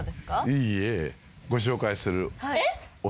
いいえご紹介する。